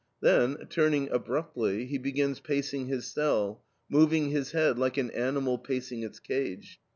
Then, turning abruptly, he begins pacing his cell, moving his head, like an animal pacing its cage.